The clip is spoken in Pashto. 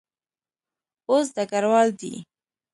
اوس ډګروال دی.